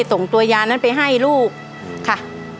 ส่งตัวยานั้นไปให้ลูกค่ะ